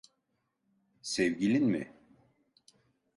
Sevgilin mi?